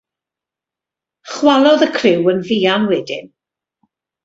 Chwalodd y criw yn fuan wedyn.